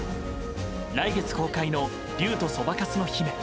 来月公開の「竜とそばかすの姫」。